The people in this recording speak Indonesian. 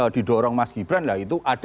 didorong mas gibran lah itu ada